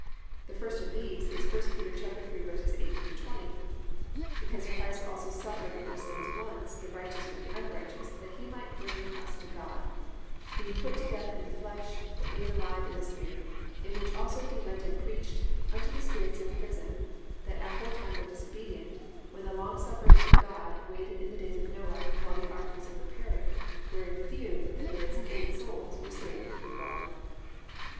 1. The first of these is 1 Peter 3:18 20: +"Because Christ also suffered for sins once, the righteous for the unrighteous, that he might bring us to God; being put to death in the flesh, but made alive in the spirit; in which also he went and preached unto the spirits in prison, that aforetime were disobedient, when the longsuffering of God waited in the days of Noah, while the ark was a preparing, wherein few, that is, eight souls, were saved through water."